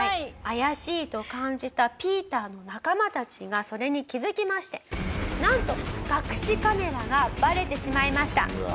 怪しいと感じたピーターの仲間たちがそれに気付きましてなんと隠しカメラがバレてしまいました。